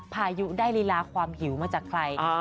พายุได้ลีลาความหิวมาจากใคร